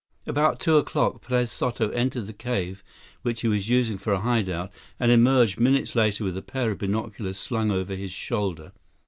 About two o'clock, Perez Soto entered the cave which he was using for a hideout and emerged minutes later with a pair of binoculars slung over his shoulder.